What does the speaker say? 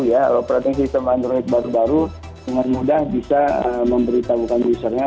kalau operating system baru baru dengan mudah bisa memberitahukan usernya